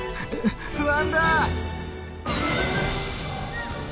不安だ！